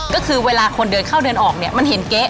ก็คือเวลาคนเดินเข้าเดินออกเนี่ยมันเห็นเก๊ะ